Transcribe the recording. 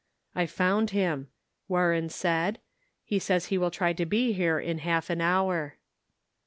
" I found him," Warren said ;" he says he will try to be here in half an hour."